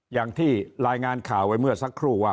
อย่างที่รายงานข่าวไปเมื่อสักครู่ว่า